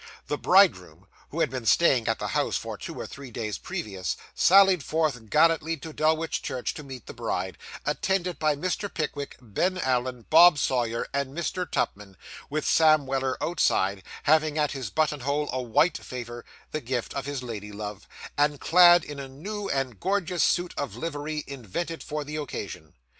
The bridegroom, who had been staying at the house for two or three days previous, sallied forth gallantly to Dulwich Church to meet the bride, attended by Mr. Pickwick, Ben Allen, Bob Sawyer, and Mr. Tupman; with Sam Weller outside, having at his button hole a white favour, the gift of his lady love, and clad in a new and gorgeous suit of livery invented for the occasion.